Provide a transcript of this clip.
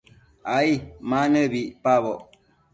ai ma nëbi icpaboc